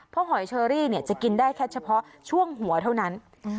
เพราะหอยเชอรี่จะกินได้แค่เฉพาะช่วงหัวเท่านั้น